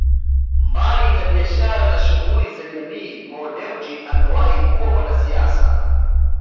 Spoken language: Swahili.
Mbali na biashara na shughuli za jamii Mo Dewji amewahi kuwa mwanasiasa